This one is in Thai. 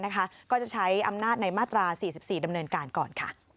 ก็จะใช้อำนาจในมาตรา๔๔ดำเนินการก่อน